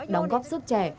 đóng góp sức trẻ